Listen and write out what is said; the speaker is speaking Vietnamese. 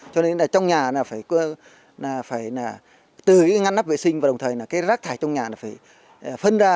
cho nên là trong nhà phải tưới ngăn nắp vệ sinh và đồng thời rác thải trong nhà phải phân ra